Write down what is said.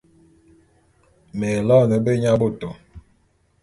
Me loene benyabôtô.